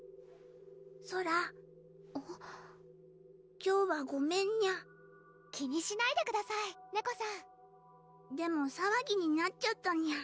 ・ソラ・今日はごめんニャ気にしないでくださいネコさんでもさわぎになっちゃったニャ